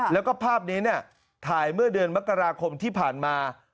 แล้วก็ภาพนี้ถ่ายเมื่อเดือนมกราคมที่ผ่านมา